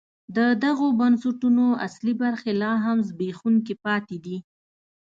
د دغو بنسټونو اصلي برخې لا هم زبېښونکي پاتې دي.